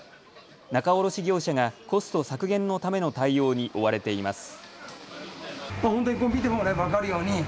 仲卸業者がコスト削減のための対応に追われています。